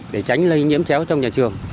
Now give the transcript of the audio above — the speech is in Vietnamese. để tránh lây nhiễm chéo trong nhà trường